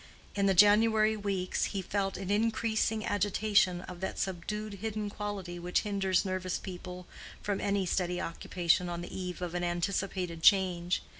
In the January weeks, he felt an increasing agitation of that subdued hidden quality which hinders nervous people from any steady occupation on the eve of an anticipated change.